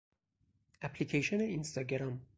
اپلیکیشن اینستاگرام